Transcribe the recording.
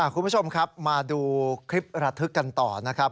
คุณผู้ชมครับมาดูคลิประทึกกันต่อนะครับ